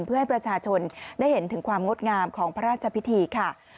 เพื่อให้ประชาชนได้เห็นถึงความงดงามของพระราชพิธีค่ะ